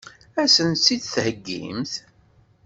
Ad sen-tt-id-theggimt?